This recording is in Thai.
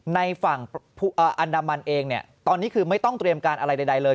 ในฝั่งอันดามันเองเนี่ยตอนนี้คือไม่ต้องเตรียมการอะไรใดเลย